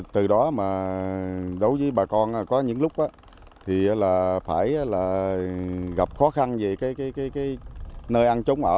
từ đó mà đối với bà con có những lúc thì là phải là gặp khó khăn về cái nơi ăn trốn ở